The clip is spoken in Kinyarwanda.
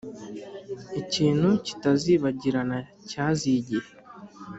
Ikintu kitazibagirana cyaziye igihe.